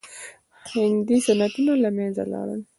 هندي صنعتونه له منځه لاړل.